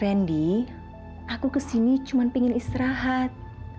randy aku kesini cuma pengen istirahat